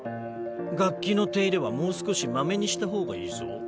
楽器の手入れはもう少しマメにした方がいいぞ。